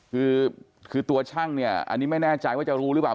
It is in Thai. คือคือตัวช่างเนี่ยอันนี้ไม่แน่ใจว่าจะรู้หรือเปล่า